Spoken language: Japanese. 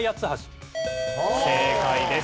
正解です。